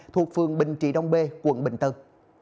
thuộc phường bình trị đông bê quận bình tân